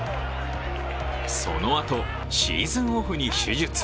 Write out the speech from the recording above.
そのあと、シーズンオフに手術